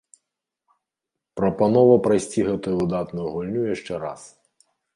Прапанова прайсці гэтую выдатную гульню яшчэ раз!